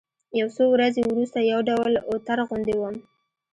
يو څو ورځې وروسته يو ډول اوتر غوندې وم.